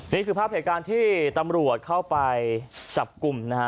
นี่คือภาพเหตุการณ์ที่ตำรวจเข้าไปจับกลุ่มนะฮะ